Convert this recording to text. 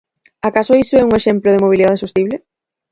¿Acaso iso é un exemplo de mobilidade sostible?